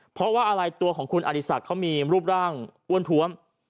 เพราะว่าอะไรตัวของคุณอดีศักดิ์เขามีรูปร่างอ้วนท้วม